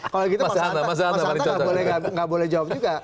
kalau gitu mas anta gak boleh jawab juga